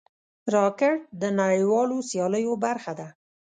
راکټ د نړیوالو سیالیو برخه ده